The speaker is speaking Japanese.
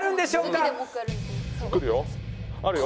あるよ。